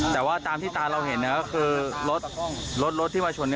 แต่ว่าตามที่ตาเราเห็นก็คือรถรถที่มาชน